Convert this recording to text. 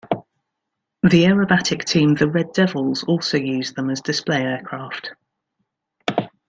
The aerobatic team The Red Devils also used them as display aircraft.